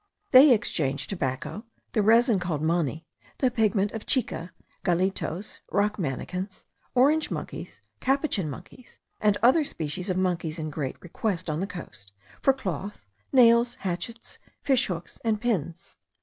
They exchange tobacco, the resin called mani, the pigment of chica, gallitos (rock manakins), orange monkeys, capuchin monkeys, and other species of monkeys in great request on the coast, for cloth, nails, hatchets, fishhooks, and pins.